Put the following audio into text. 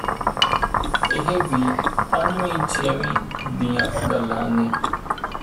ਇਹ ਵੀ ਪੰਜਵੀਂ ਛੇਵੀਂ ਦੀਆਂ ਗੱਲਾਂ ਨੇ